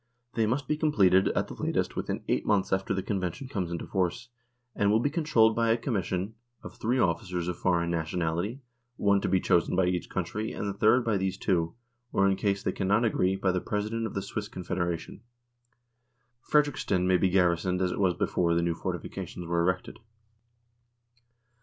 They must be completed, at the latest, within eight months after the convention comes into force, and will be controlled by a commis THE DISSOLUTION OF THE UNION 151 sion of three officers of foreign nationality, one to be chosen by each country, and the third by these two or in case they cannot agree, by the President of the Swiss Confederation. Fredriksten may be garrisoned as it was before the new fortifications were erected.